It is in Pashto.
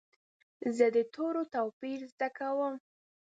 زه د تورو توپیر زده کوم.